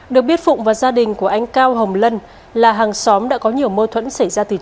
được biết phụng và gia đình của anh cao hồng lân là hàng xóm đã có nhiều mâu thuẫn xảy ra từ trước